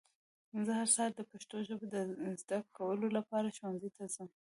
زه هر سهار د پښتو ژبه د ذده کولو لپاره ښونځي ته ځم.